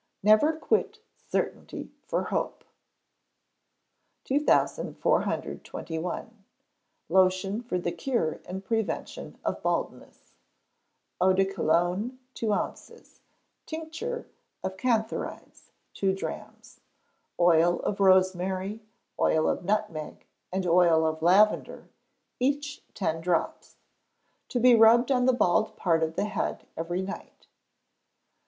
[NEVER QUIT CERTAINTY FOR HOPE.] 2421. Lotion for the Cure and Prevention of Baldness. Eau de Cologne, two ounces; tincture of cantharides, two drachms; oil of rosemary, oil of nutmeg, and oil of lavender, each ten drops. To be rubbed on the bald part of the head every night.